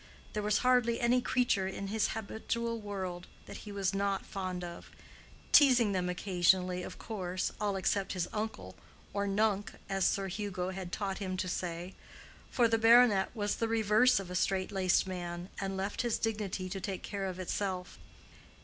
There was hardly any creature in his habitual world that he was not fond of; teasing them occasionally, of course—all except his uncle, or "Nunc," as Sir Hugo had taught him to say; for the baronet was the reverse of a strait laced man, and left his dignity to take care of itself.